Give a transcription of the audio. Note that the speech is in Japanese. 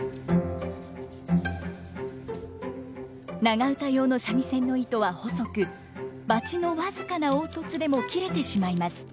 長唄用の三味線の糸は細くバチの僅かな凹凸でも切れてしまいます。